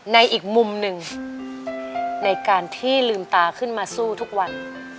ในอีกมุมหนึ่งในการที่ลืมตาขึ้นมาสู้ทุกวัน